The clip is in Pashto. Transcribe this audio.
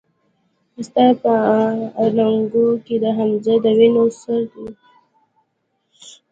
ستا په اننګو کې د حمزه د وينو سره دي